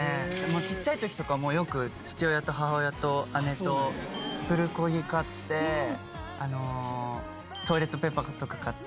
ちっちゃい時とかもよく父親と母親と姉とプルコギ買ってトイレットペーパーとか買って。